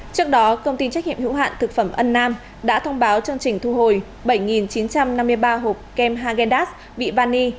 trước đó công ty trách nhiệm hữu hạn thực phẩm ân nam đã thông báo chương trình thu hồi bảy chín trăm năm mươi ba hộp kem hagendas vị vani